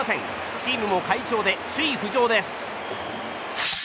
チームも快勝で、首位浮上です。